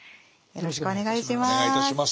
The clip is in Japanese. よろしくお願いします。